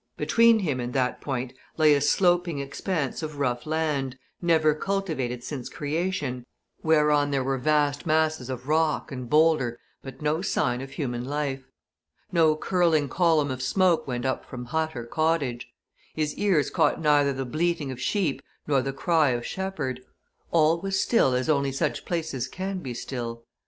Between him and that point lay a sloping expanse of rough land, never cultivated since creation, whereon there were vast masses of rock and boulder but no sign of human life. No curling column of smoke went up from hut or cottage; his ears caught neither the bleating of sheep nor the cry of shepherd all was still as only such places can be still.